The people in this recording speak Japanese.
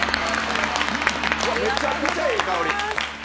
めちゃくちゃええ香り。